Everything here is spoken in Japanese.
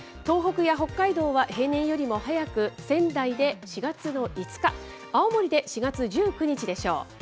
東北や北海道は平年よりも早く仙台で４月の５日、青森で４月１９日でしょう。